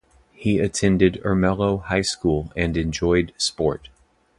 He attended Ermelo High School and enjoyed sport.